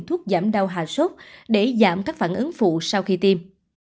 thuốc giảm đau hạ sốt để giảm các phản ứng phụ sau khi tiêm